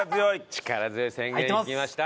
力強い宣言いきました。